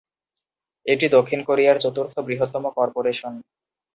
এটি দক্ষিণ কোরিয়ার চতুর্থ বৃহত্তম কর্পোরেশন।